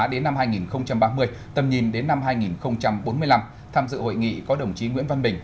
đến năm hai nghìn ba mươi tầm nhìn đến năm hai nghìn bốn mươi năm tham dự hội nghị có đồng chí nguyễn văn bình